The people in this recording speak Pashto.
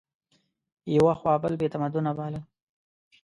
یوه خوا بل بې تمدنه باله